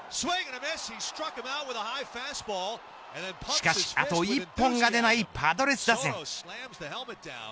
しかしあと１本が出ないパドレス打線。